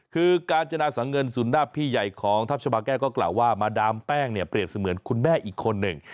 คือการจนาสังเงินศูนย์หน้าพี่ใหญ่ของทัพชาบาแก้วก็กล่าวว่ามาดามแป้งเนี่ยเปรียบเสมือนคุณแม่อีกคนหนึ่ง